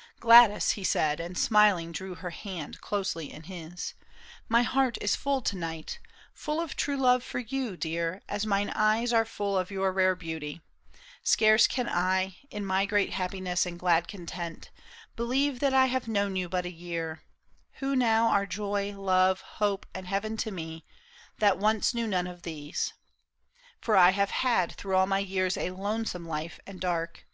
" Gladys," he said, and smiling drew her hand Closely in his ;" my heart is full to night, Full of true love for you, dear, as mine eyes Are full of your rare beauty. Scarce can I, In my great happiness and glad content, 46 PAUL ISHAM. Believe that I have known you but a year, Who now are joy, love, hope, and heaven to me. That once knew none of these. For I have had Through all my years a lonesome life and dark.